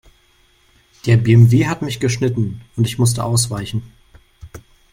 Der BMW hat mich geschnitten und ich musste ausweichen.